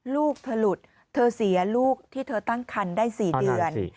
ลูกเธอหลุดเธอเสียลูกที่เธอตั้งคันได้๔เดือน